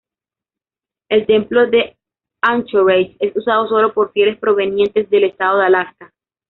El templo de Anchorage es usado solo por fieles provenientes del estado de Alaska.